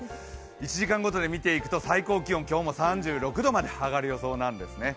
１時間ごとで見ていくと、最高気温、今日も３６度まで上がる予想なんですね。